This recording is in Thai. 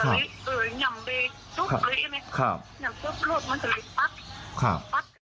แล้วเดินไปครั้งนี้ปัก